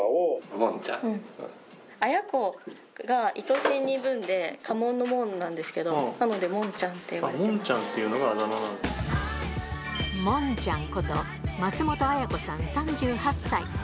紋子が、糸へんに文で、家紋の紋なんですけれども、なのでモンちゃんって呼ばれてまモンちゃんっていうのがあだモンちゃんこと、松本紋子さん３８歳。